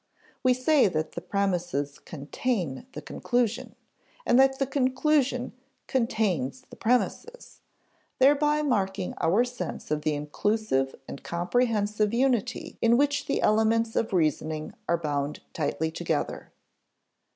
We say that the premises "contain" the conclusion, and that the conclusion "contains" the premises, thereby marking our sense of the inclusive and comprehensive unity in which the elements of reasoning are bound tightly together.